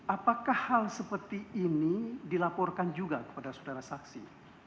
apakah hal seperti ini dilaporkan juga kepada saudara saksi